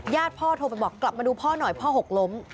พ่อโทรไปบอกกลับมาดูพ่อหน่อยพ่อหกล้ม